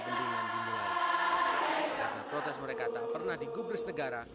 karena protes mereka tak pernah digubris negara